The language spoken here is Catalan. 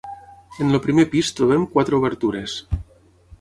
En el primer pis trobem quatre obertures.